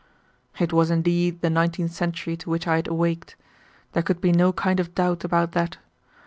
It was indeed the nineteenth century to which I had awaked; there could be no kind of doubt about that.